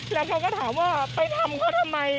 แล้วเขาก็ถามว่าไปทำเขาทำไม